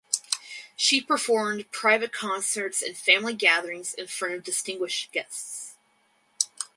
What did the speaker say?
She performed private concerts in family gatherings in front of distinguished guests.